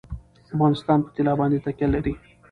افغانستان په طلا باندې تکیه لري.